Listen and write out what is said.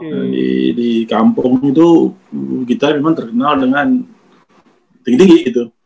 jadi di kampung itu kita memang terkenal dengan tinggi tinggi gitu